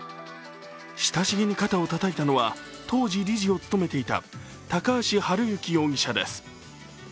親しげに肩をたたいたのは、当時理事を務めていた高橋治之容疑者です。